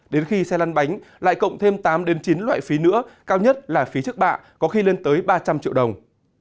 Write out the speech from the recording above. đến khi xe lăn bánh lại cộng thêm tám chín loại phí nữa cao nhất là phí trước bạ có khi lên tới ba trăm linh triệu đồng